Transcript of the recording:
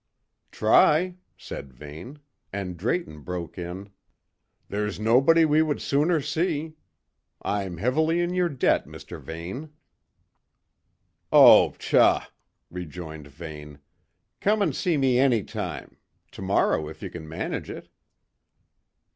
"Try," said Vane, and Drayton broke in: "There's nobody we would sooner see. I'm heavily in your debt, Mr. Vane." "Oh, pshaw!" rejoined Vane. "Come and see me any time: to morrow, if you can manage it."